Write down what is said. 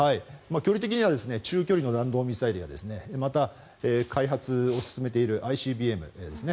距離的には中距離の弾道ミサイルやまた、開発を進めているＩＣＢＭですね。